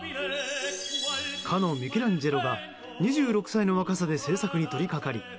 かのミケランジェロが２６歳の若さで制作に取りかかり